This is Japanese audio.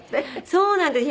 そうなんです。